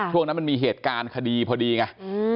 ช่วงนั้นมันมีเหตุการณ์คดีพอดีไง